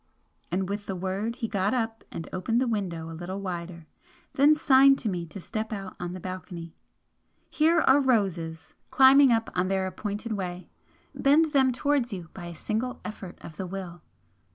and with the word he got up and opened the window a little wider, then signed to me to step out on the balcony "Here are roses climbing up on their appointed way bend them to wards you by a single effort of the will!"